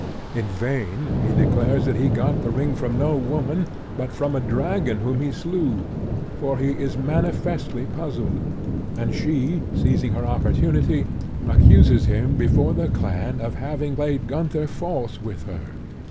In vain he declares that he got the ring from no woman, but from a dragon whom he slew; for he is manifestly puzzled; and she, seizing her opportunity, accuses him before the clan of having played Gunther false with her.